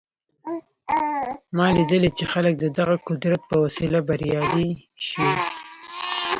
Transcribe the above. ما لیدلي چې خلک د دغه قدرت په وسیله بریالي شوي